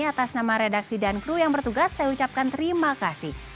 atas nama redaksi dan kru yang bertugas saya ucapkan terima kasih